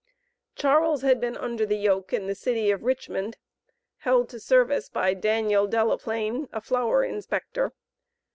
Charles had been under the yoke in the city of Richmond, held to service by Daniel Delaplain, a flour inspector.